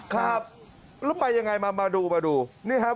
ครับแล้วไปยังไงมามาดูมาดูนี่ครับ